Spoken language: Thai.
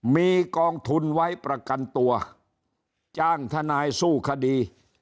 มีกองทุนไว้ประกันตัวจ้างทนายสู้คดี